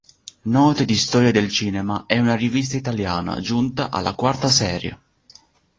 Note di Storia del Cinema è una rivista italiana, giunta alla quarta serie.